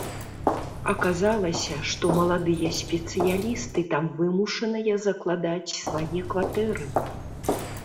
Аказалася, што маладыя спецыялісты там вымушаныя закладаць свае кватэры.